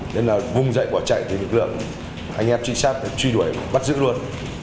nên là vung dậy bỏ chạy thì lực lượng anh em trị sát trị đuổi bắt giữ luôn